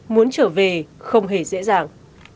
muốn trở về không hề dễ dàng